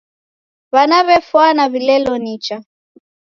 W'ana w'efwana w'ilelo nicha.